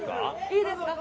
いいですか？